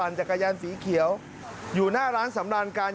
จักรยานสีเขียวอยู่หน้าร้านสำรานการ